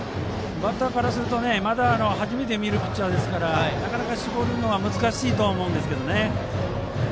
バッターからすると初めて見るピッチャーですからなかなか絞るのは難しいと思います。